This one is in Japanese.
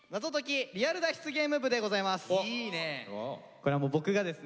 これはもう僕がですね